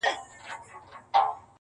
ومي د سترګو نګهبان لکه باڼه ملګري,